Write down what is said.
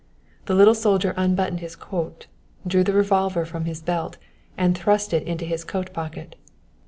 The little soldier unbuttoned his coat, drew the revolver from his belt, and thrust it into his coat pocket.